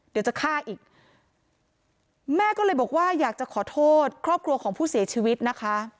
เดี๋ยวจะฆ่าอีกแม่ก็เลยบอกว่าอยากจะขอโทษครอบครัวของผู้เสียชีวิตนะคะ